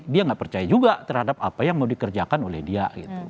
dia nggak percaya juga terhadap apa yang mau dikerjakan oleh dia